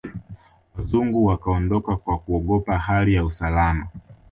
Wazungu wakaondoka kwa kuogopa hali ya usalama